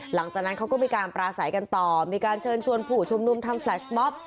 หลังจากนั้นเขาก็มีการปราศัยกันต่อมีการเชิญชวนผู้ชุมนุมทำแฟลชมอบ